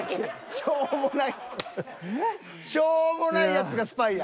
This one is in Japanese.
しょうもないやつがスパイや。